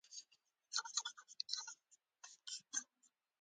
ځه مړه ستاسو همکار په ټاکلي وخت نه و راغلی